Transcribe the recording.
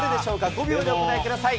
５秒でお答えください。